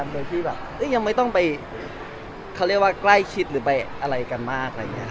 โดยที่ยังไม่ต้องไปใกล้คิดหรือไปอะไรกันมาก